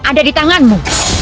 ada di tanganmu